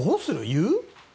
言う？